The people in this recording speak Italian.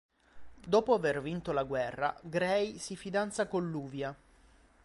Dopo aver vinto la guerra, Gray si fidanza con Lluvia.